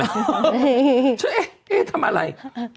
พี่เฮะเอ๊ทำอะไร